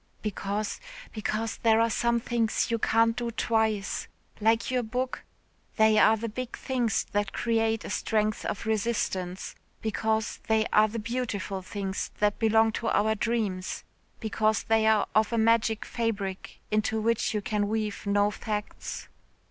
"Because because there are some things you can't do twice like your book, they are the big things that create a strength of resistance. Because they are the beautiful things that belong to our dreams. Because they are of a magic fabric, into which you can weave no facts."